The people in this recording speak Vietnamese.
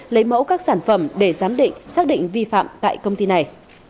lấy mẫu các sản phẩm để giám định xác định vi phạm tại công ty này